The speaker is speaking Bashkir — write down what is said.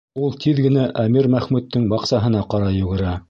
Ул тиҙ генә әмир Мәхмүттең баҡсаһына ҡарай йүгерә.